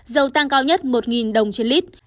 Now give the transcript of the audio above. dầu tăng cao nhất một đồng trên lít